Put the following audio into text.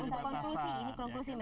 ini hanya pilihan untuk konklusi